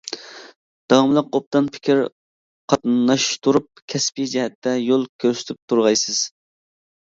داۋاملىق ئوبدان پىكىر قاتناشتۇرۇپ كەسپىي جەھەتتە يول كۆرسىتىپ تۇرغايسىز.